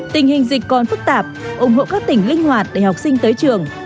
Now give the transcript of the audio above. tình hình dịch còn phức tạp ủng hộ các tỉnh linh hoạt để học sinh tới trường